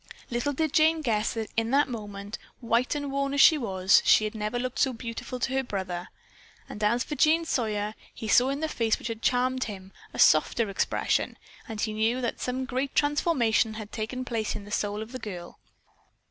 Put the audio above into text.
Little did Jane guess that in that moment, white and worn as she was, she had never looked so beautiful to her brother. And as for Jean Sawyer, he saw in the face which had charmed him, a softer expression, and he knew that some great transformation had taken place in the soul of the girl.